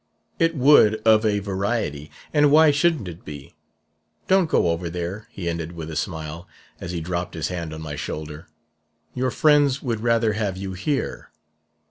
It would, of a verity; and why shouldn't it be? 'Don't go over there,' he ended with a smile, as he dropped his hand on my shoulder; 'your friends would rather have you here.'